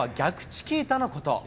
チキータのこと。